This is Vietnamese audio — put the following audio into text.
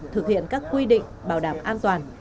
thực hiện các quy định bảo đảm an toàn